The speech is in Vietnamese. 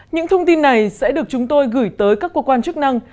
những thông tin này sẽ được chúng tôi gửi tới các cơ quan chức năng